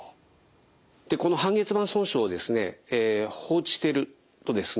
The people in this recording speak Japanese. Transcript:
この半月板損傷を放置しているとですね